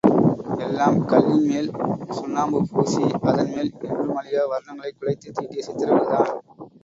எல்லாம் கல்லின் மேல் சுண்ணாம்பு பூசி அதன் மேல் என்றும் அழியா வர்ணங்களைக் குழைத்துத் தீட்டிய சித்திரங்கள் தான்.